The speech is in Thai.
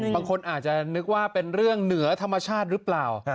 บางคนอาจจะนึกว่าเป็นเรื่องเหนือธรรมชาติหรือเปล่า